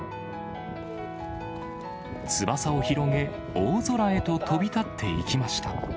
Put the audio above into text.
翼を広げ、大空へと飛び立っていきました。